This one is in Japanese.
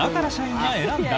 だから社員が選んだ！